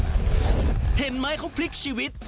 ดูคนนี้เขาเห็นแม้คงพลิกชีวิต